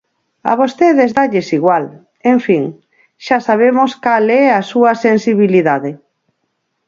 A vostedes dálles igual; en fin, xa sabemos cal é a súa sensibilidade.